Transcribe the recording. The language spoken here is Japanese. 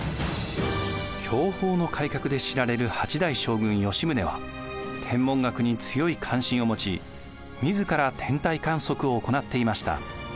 享保の改革で知られる８代将軍吉宗は天文学に強い関心を持ちみずから天体観測を行っていました。